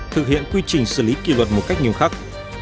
thực hiện quy trình xử lý kỳ luật một cách nhiều khác